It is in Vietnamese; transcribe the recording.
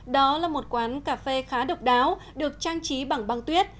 đó là một quán cà phê khá độc đáo được trang trí bằng băng tuyết